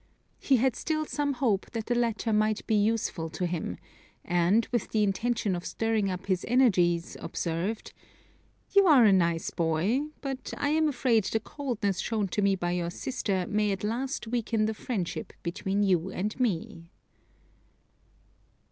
He had still some hope that the latter might be useful to him; and, with the intention of stirring up his energies, observed, "You are a nice boy; but I am afraid the coldness shown to me by your sister may at last weaken the friendship between you and me."